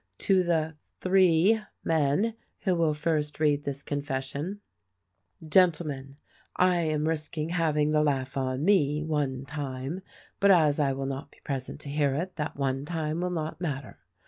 "To the three men who will first read this confession: Gentlemen: — I am risking having the laugh on me, one time ; but, as I will not be present to hear it, that one time will not matter.